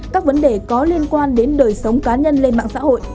các vấn đề có liên quan đến đời sống cá nhân lên mạng xã hội